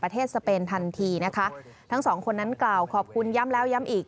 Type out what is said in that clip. ทั้ง๒คนนั้นกล่าวขอบคุณย้ำแล้วย้ำอีก